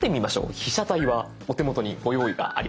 被写体はお手元にご用意があります。